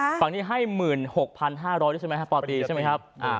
มีฟั่งที่ให้๑๖๕๐๐บาทพอดีใช่ไหมครับ